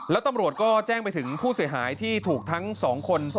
แล้วตำรวจก็แจ้งไปถึงผู้เสียหายที่ถูกทั้งสองคน